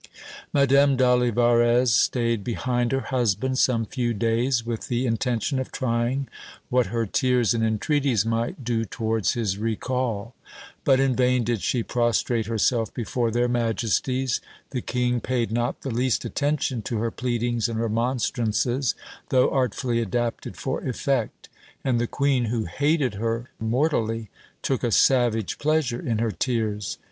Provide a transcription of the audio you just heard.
Madame d'Olivarez stayed behind her husband some few days, with the in tention of trying what her tears and entreaties might do towards his recall ; but in vain did she prostrate herself before their majesties : the king paid not the least attention to her pleadings and remonstrances, though artfully adapted for effect ; and the queen, who hated her mortally, took a savage pleasure in her tears.